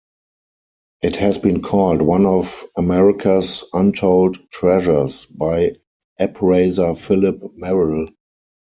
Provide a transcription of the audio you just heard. It has been called one of "America's Untold Treasures" by appraiser Phillip Merrill.